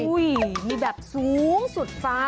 อุ้ยมีดับสูงสุดฟ้า